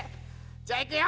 じゃあいくよ！